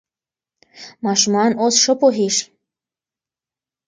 ماشومان اوس ښه پوهېږي.